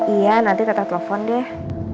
iya nanti tetap telepon deh